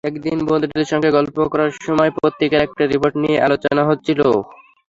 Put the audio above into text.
একদিন বন্ধুদের সঙ্গে গল্প করার সময় পত্রিকার একটা রিপোর্ট নিয়ে আলোচনা হচ্ছিল।